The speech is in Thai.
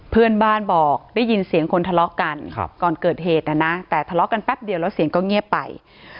เพื่อนบ้านบอกได้ยินเสียงคนทะเลาะกันก่อนเกิดเหตุนะนะแต่ทะเลาะกันแป๊บเดียวแล้วเสียงก็เงียบไป